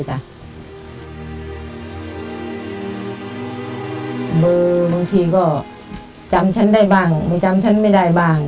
บางทีก็จำฉันได้บ้างมือจำฉันไม่ได้บ้าง